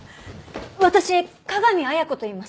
私香美綾子といいます。